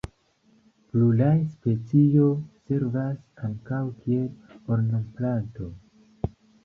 Pluraj specioj servas ankaŭ kiel ornamplanto.